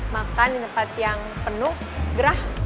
makan di tempat yang penuh gerah